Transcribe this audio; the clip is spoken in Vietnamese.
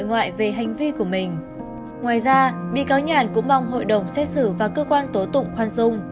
ngoài ra bị cáo nhàn cũng mong hội đồng xét xử và cơ quan tố tụng khoan dung